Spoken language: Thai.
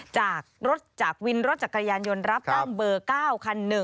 จากรถจากวินรถจากกระยานยนต์รับตั้งเบอร์๙คัน๑